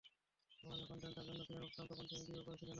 আমরা যখন ডেল্টার জন্য প্লেন উড়াতাম, তখন তুমি বিয়েও করেছিলে না।